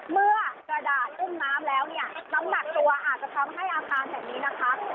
เมื่อกระดาษต้นน้ำแล้วน้ำหนักตัวอาจจะทำให้อาคารแถมนี้